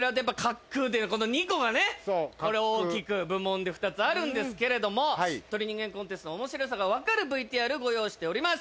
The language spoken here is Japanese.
この２個がねこれ大きく部門で２つあるんですけれども『鳥人間コンテスト』の面白さがわかるＶＴＲご用意しております。